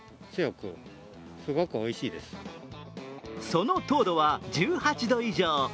その糖度は１８度以上。